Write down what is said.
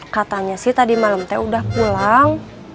katanya sih tadi malam teh udah pulang